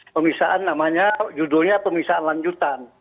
pemeriksaan namanya judulnya pemeriksaan lanjutan